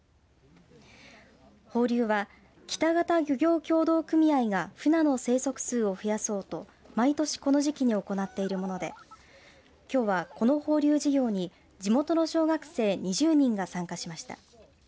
放流は北潟漁業協同組合がフナの生息数を増やそうと毎年この時期に行っているものできょうは、この放流事業に地元の小学生２０人が参加しました。